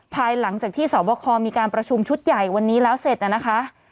ภายหลังจากที่สอบคอมีการประชุมชุดใหญ่วันนี้แล้วเสร็จนะคะ